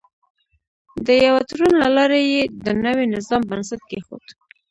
د یوه تړون له لارې یې د نوي نظام بنسټ کېښود.